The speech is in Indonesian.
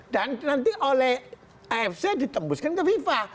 dan nanti oleh afc ditembuskan ke viva